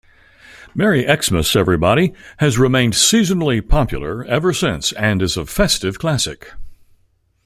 "Merry Xmas Everybody" has remained seasonally popular ever since and is a festive classic.